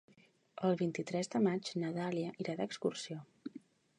El vint-i-tres de maig na Dàlia irà d'excursió.